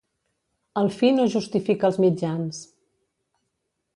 El fi no justifica els mitjans.